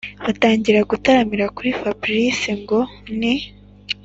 batangira gutaramira kuri fabric ngo ni